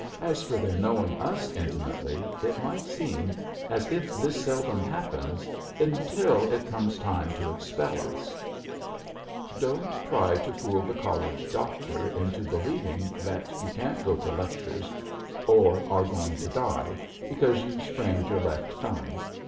As for their knowing us intimately, it might seem as if this seldom happens, until it comes time to expel us. [Sidenote: MALINGERING] Don't try to fool the College Doctor into believing that you can't go to lectures, or are going to die, because you've sprained your left thumb.